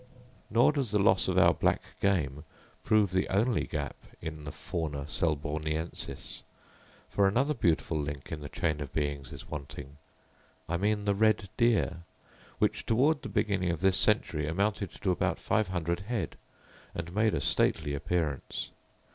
Nor does the loss of our black game prove the only gap in the Fauna Selborniensis; for another beautiful link in the chain of beings is wanting, I mean the red deer, which toward the beginning of this century amounted to about five hundred head, and made a stately appearance.